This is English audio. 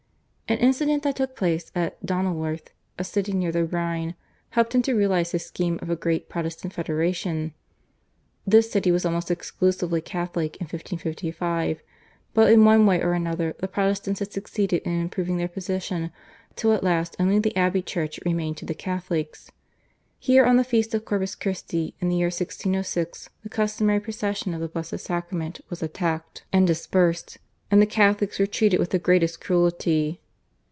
An incident that took place at Donauworth, a city near the Rhine, helped him to realise his scheme of a great Protestant federation. This city was almost exclusively Catholic in 1555, but in one way or another the Protestants had succeeded in improving their position till at last only the abbey church remained to the Catholics. Here on the Feast of Corpus Christi in the year 1606 the customary procession of the Blessed Sacrament was attacked and dispersed, and the Catholics were treated with the greatest cruelty.